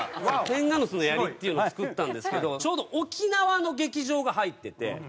テンガヌスの槍っていうのを作ったんですけどちょうど沖縄の劇場が入ってて。